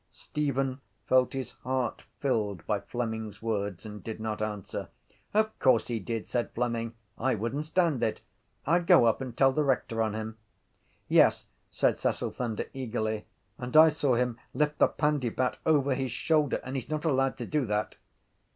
Stephen felt his heart filled by Fleming’s words and did not answer. —Of course he did! said Fleming. I wouldn’t stand it. I’d go up and tell the rector on him. —Yes, said Cecil Thunder eagerly, and I saw him lift the pandybat over his shoulder and he’s not allowed to do that.